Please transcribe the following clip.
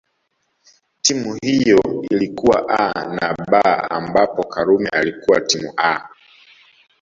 Timu hiyo ilikuwa A na B ambapo Karume alikuwa timu A